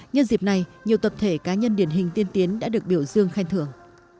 nhân dịp này nhiều tập thể cá nhân điển hình tiên tiến đã được biểu dương khen thưởng